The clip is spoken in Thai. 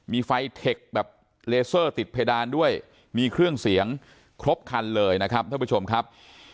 มีไฟเทคแบบเลเซอร์ติดเพดานด้วยมีเครื่องเสียงครบคันเลยนะครับท่านผู้ชมครับ